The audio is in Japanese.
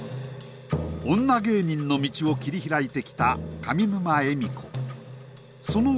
女芸人の道を切り開いてきた上沼恵美子。